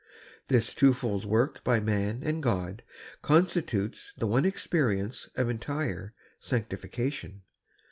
This twofold work by man and God constitutes the one experience of entire sanctification.